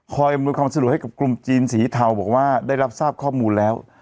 อำนวยความสะดวกให้กับกลุ่มจีนสีเทาบอกว่าได้รับทราบข้อมูลแล้ว